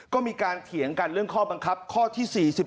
ก็มีการเถียงกันเรื่องข้อบังคับข้อที่๔๑